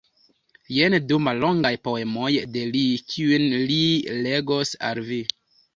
Jen du mallongaj poemoj de li, kiujn li legos al vi.